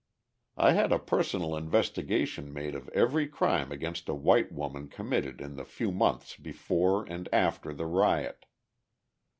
I had a personal investigation made of every crime against a white woman committed in the few months before and after the riot.